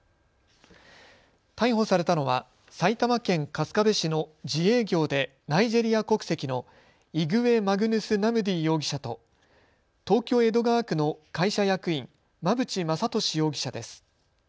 逮捕されたのは埼玉県春日部市の自営業でナイジェリア国籍のイグウェマグヌスナムディ容疑者と東京江戸川区の会社役員、馬淵正敏容疑者です。